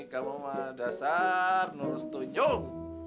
kamu mah dasar nurus tunjuk